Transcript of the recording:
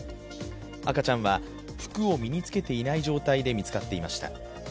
赤ちゃんは服を身につけていない状態で見つかっていました。